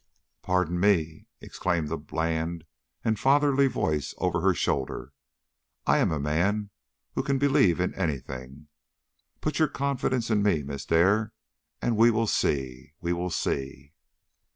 "Pardon me," exclaimed a bland and fatherly voice over her shoulder, "I am a man who can believe in any thing. Put your confidence in me, Miss Dare, and we will see we will see."